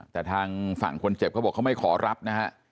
แต่ทางฝั่งคนเจ็บเขาบอกเขาไม่ขอรับนะฮะ